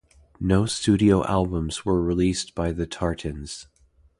No studio albums were released by The Tartans.